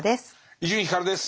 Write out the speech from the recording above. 伊集院光です。